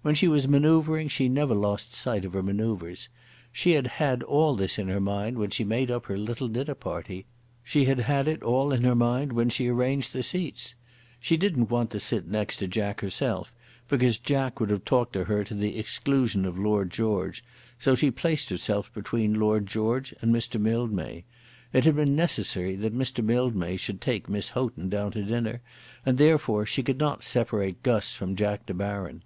When she was manoeuvring she never lost sight of her manoeuvres. She had had all this in her mind when she made up her little dinner party. She had had it all in her mind when she arranged the seats. She didn't want to sit next to Jack herself, because Jack would have talked to her to the exclusion of Lord George, so she placed herself between Lord George and Mr. Mildmay. It had been necessary that Mr. Mildmay should take Miss Houghton down to dinner, and therefore she could not separate Guss from Jack De Baron.